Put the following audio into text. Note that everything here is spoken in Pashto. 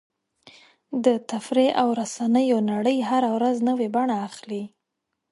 د تفریح او رسنیو نړۍ هره ورځ نوې بڼه اخلي.